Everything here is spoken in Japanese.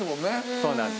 そうなんです